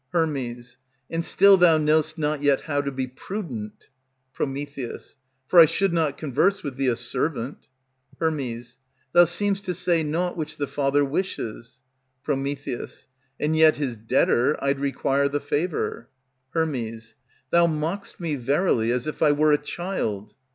Her. And still thou know'st not yet how to be prudent. Pr. For I should not converse with thee a servant. Her. Thou seem'st to say naught which the Father wishes. Pr. And yet his debtor I'd requite the favor. Her. Thou mock'st me verily as if I were a child.